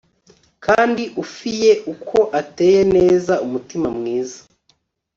kandi ufiye uko ateye neza umutima mwiza